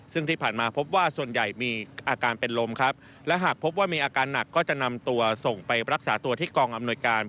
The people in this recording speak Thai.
ซึ่งที่ผ่านมาพบว่าส่วนใหญ่มีอาการเป็นลมครับและหากพบว่ามีอาการหนักก็จะนำตัวส่งไปรักษาตัวที่กองอำนวยการ